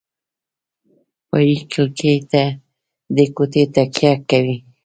پایې کلکې دي کوټې تکیه کوي.